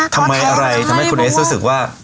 ทำไมอะไรทำให้คุณเอสรู้สึกว่า